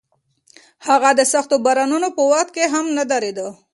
هغه د سختو بارانونو په وخت کې هم نه درېده.